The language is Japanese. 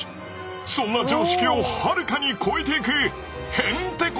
そんな常識をはるかに超えていくへんてこ